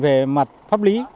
về mặt pháp lý